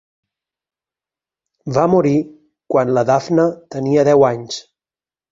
Va morir quan la Daphne tenia deu anys.